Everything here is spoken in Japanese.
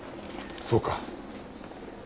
そうか。